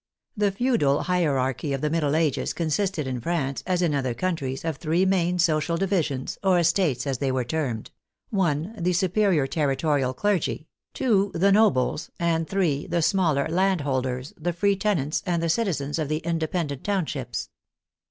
The feudal hierarchy of the Middle Ages consisted in France, as in other countries, of three main social divisions, or es tates, as they were termed, (i) The superior territorial clergy, (2) the nobles, and (3) the smaller landholders, the free tenants, and the citizens of the independent town ships.